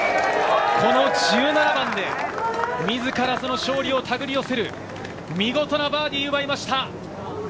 この１７番で自ら、その勝利をたぐり寄せる、見事なバーディーを奪いました！